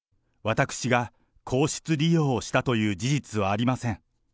私が皇室利用をしたという事実はありません。